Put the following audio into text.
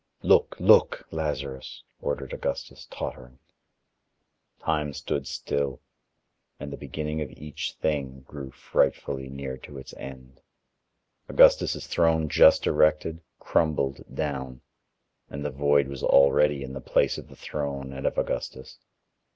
"Look, look, Lazarus," ordered Augustus tottering. Time stood still, and the beginning of each thing grew frightfully near to its end. Augustus' throne just erected, crumbled down, and the void was already in the place of the throne and of Augustus.